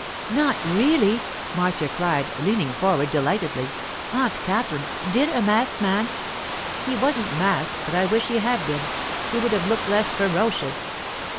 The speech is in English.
'Not really!' Marcia cried, leaning forward delightedly. 'Aunt Katherine, did a masked man——' 'He wasn't masked, but I wish he had been; he would have looked less ferocious.